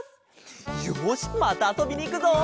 よしまたあそびにいくぞ。